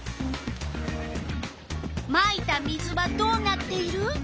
まいた水はどうなっている？